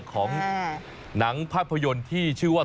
ของหนังภาพยนตร์ที่ชื่อว่า